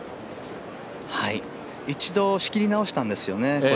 一度仕切り直したんですよね。